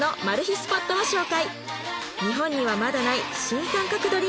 スポットを紹介